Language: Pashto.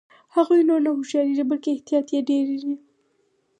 هغوی نور نه هوښیاریږي بلکې احتیاط یې ډیریږي.